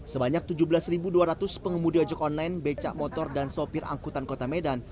sebanyak tujuh belas dua ratus pengemudi ojek online becak motor dan sopir angkutan kota medan